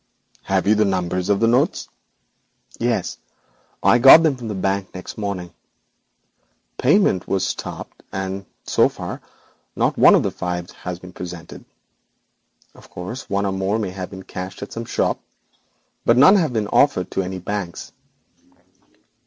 'Have you the numbers of the notes?' 'Yes; I got them from the Bank next morning. Payment was stopped, and so far not one of the five has been presented. Of course, one or more may have been cashed at some shop, but none have been offered to any of the banks.'